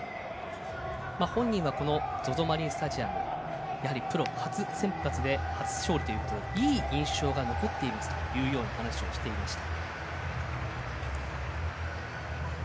本人はＺＯＺＯマリンスタジアムプロ初先発で初勝利ということでいい印象が残っていますと話をしていました。